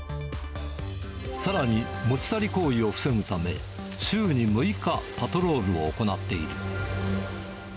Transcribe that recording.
さらに持ち去り行為を防ぐため、週に６日、パトロールを行っている。